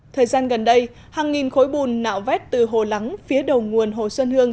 thời gian gần đây hàng nghìn khối bùn nạo vét từ hồ lắng phía đầu nguồn hồ xuân hương